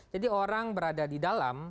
jadi orang berada di dalam